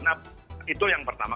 nah itu yang pertama